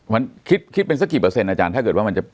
มันคิดเป็นสักกี่เปอร์เซ็นอาจารย์ถ้าเกิดว่ามันจะ